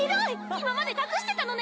今まで隠してたのね！？